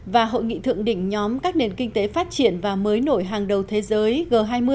và hội nghị thượng đỉnh nhóm các nền kinh tế phát triển và mới nổi hàng đầu thế giới g hai mươi